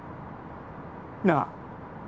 なあ